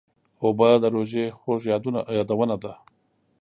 اوبه د روژې خوږ یادونه ده.